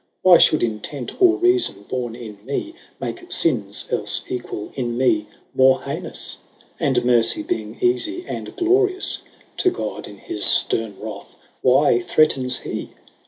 Why fhould intent or reafon, borne in mee, 5 Make finnes, elfe equall, in mee more heinous? And mercy being eafie, and glorious To God ; in his fterne wrath, why threatens hee